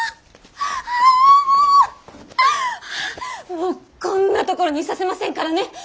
もうこんなところにいさせませんからね。